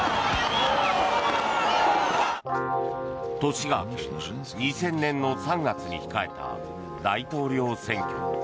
年が明け、２０００年の３月に控えた大統領選挙。